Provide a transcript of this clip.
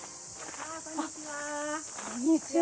こんにちは。